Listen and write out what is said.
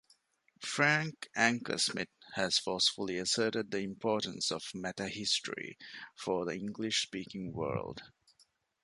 Frank Ankersmit has forcefully asserted the importance of "Metahistory" for the English speaking world.